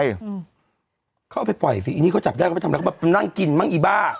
เขาเอาไปปล่อยสิอันนี้เขาจับได้นั่งกินมั้งอีบ้า